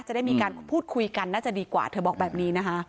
จะได้มีการพูดคุยกันน่าจะดีกว่าเธอบอกแบบนี้นะคะ